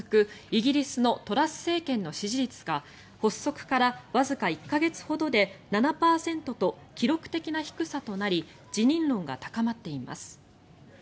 イギリスのトラス政権の支持率が発足からわずか１か月ほどで７％と記録的な低さとなり辞任論が高まっています。